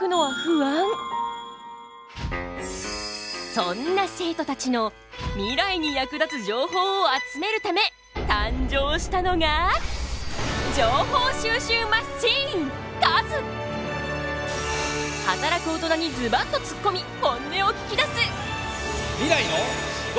そんな生徒たちのミライに役立つ情報を集めるため誕生したのが働く大人にズバッとつっこみ本音を聞きだす！